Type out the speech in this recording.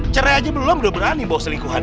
cerai aja belum udah berani bawa selingkuhan